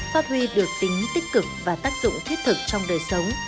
phát huy được tính tích cực và tác dụng thiết thực trong đời sống